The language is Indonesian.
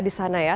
di sana ya